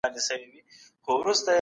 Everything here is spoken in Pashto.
زه نه كړم ګيله اشــــــنا